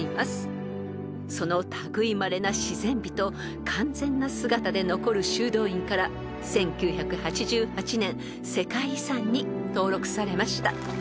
［その類いまれな自然美と完全な姿で残る修道院から１９８８年世界遺産に登録されました］